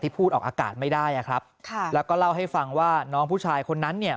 พูดออกอากาศไม่ได้อ่ะครับค่ะแล้วก็เล่าให้ฟังว่าน้องผู้ชายคนนั้นเนี่ย